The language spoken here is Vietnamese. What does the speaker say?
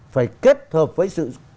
phải kết hợp với sự